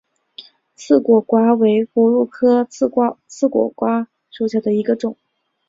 刺果瓜为葫芦科刺果瓜属下的一个种。